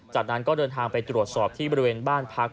จากนั้นก็เดินทางไปตรวจสอบที่บริเวณบ้านพัก